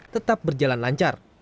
tetap berjalan lancar